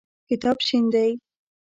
کتاب شین دی.